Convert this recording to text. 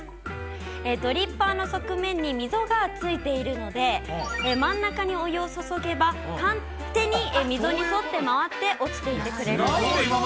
ドリッパーの側面に溝がついているので、真ん中にお湯を注げば、勝手に溝に沿って回って落ちていってくれるんです。